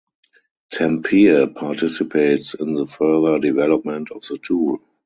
Tampere participates in the further development of the tool.